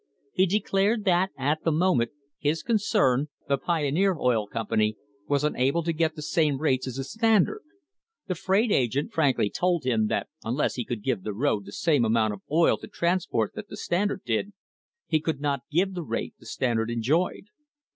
He declared that at the moment, his concern, the Pioneer Oil Company, was unable to get the same rates as the Standard ; the freight agent frankly told him that unless he could give the road the same amount of oil to transport that the Standard did he could not give the rate the Standard enjoyed.